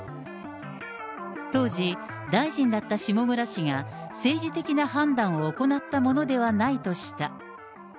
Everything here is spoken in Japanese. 当時、大臣だった下村氏が政治的な判断を行ったものではないとした。